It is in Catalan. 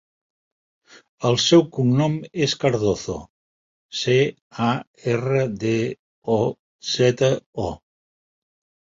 El seu cognom és Cardozo: ce, a, erra, de, o, zeta, o.